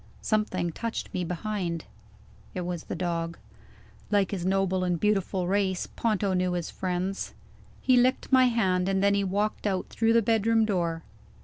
Something touched me behind: it was the dog. Like his noble and beautiful race, Ponto knew his friends. He licked my hand, and then he walked out through the bedroom door.